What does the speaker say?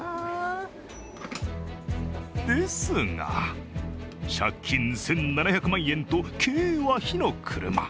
ですが、借金１７００万円と経営は火の車。